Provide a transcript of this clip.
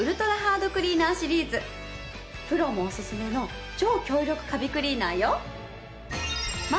プロもおすすめの超強力カビクリーナーよ。